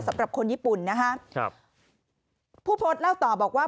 สำหรับคนญี่ปุ่นนะฮะครับผู้โพสต์เล่าต่อบอกว่า